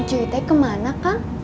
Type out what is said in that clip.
ini ceritanya kemana kaka